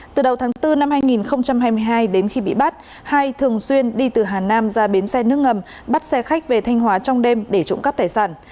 từ đầu tháng bốn năm hai nghìn hai mươi hai đến khi bị bắt hai thường xuyên đi từ hà nam ra bến xe nước ngầm bắt xe khách về thanh hóa trong đêm để trộm cắp tài sản